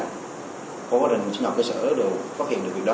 có quá trình sinh nhập cơ sở được phát hiện được việc đó